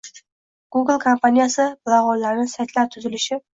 Google kompaniyasi bilag’onlari saytlar tuzilishi